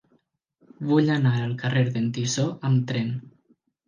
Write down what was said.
Vull anar al carrer d'en Tissó amb tren.